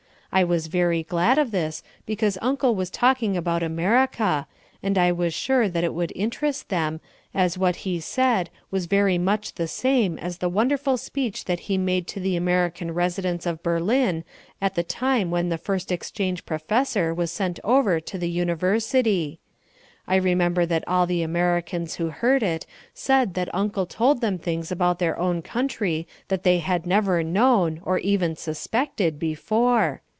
I was very glad of this because Uncle was talking about America and I was sure that it would interest them, as what he said was very much the same as the wonderful speech that he made to the American residents of Berlin at the time when the first exchange professor was sent over to the University. I remember that all the Americans who heard it said that Uncle told them things about their own country that they had never known, or even suspected, before.